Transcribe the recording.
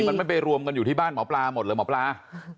มันไม่ไปรวมกันอยู่ที่บ้านหมอปลาหมดเลยหมอปลา